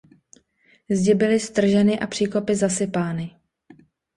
Zdi byly strženy a příkopy zasypány.